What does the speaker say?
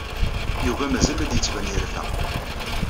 Yuba mazal la d-yettban yerfa.